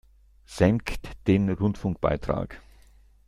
Senkt den Rundfunkbeitrag!